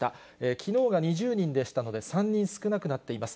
きのうが２０人でしたので、３人少なくなっています。